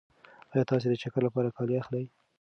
ایا تاسې د چکر لپاره کالي اخلئ؟